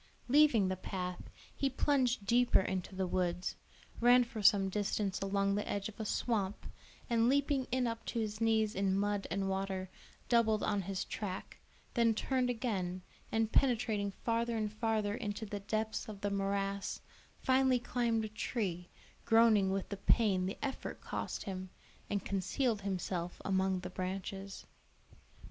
Leaving the path, he plunged deeper into the woods, ran for some distance along the edge of a swamp, and leaping in up to his knees in mud and water, doubled on his track, then turned again, and penetrating farther and farther into the depths of the morass, finally climbed a tree, groaning with the pain the effort cost him, and concealed himself among the branches.